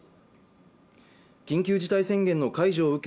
緊急事態宣言の解除を受け